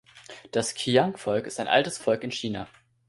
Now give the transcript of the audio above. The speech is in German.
Das Qiang-Volk ist ein altes Volk in China.